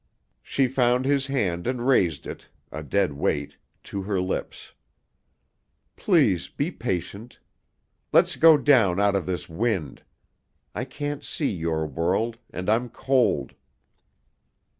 She found his hand and raised it, a dead weight, to her lips. "Please be patient. Let's go down out of this wind. I can't see your world, and I'm cold."